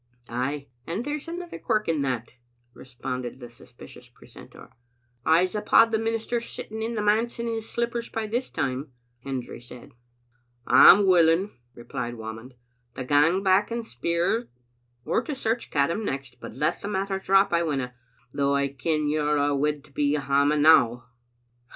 "Ay, and there's another quirk in that," responded the suspicious precentor. "I'seuphaud the minister's sitting in the manse in his slippers by this time," Hendry said. " I'm willing," replied Whamond, "to gang back and speir, or to search Caddam next; but let the matter drop I winna, though I ken you're a' awid to be hame now."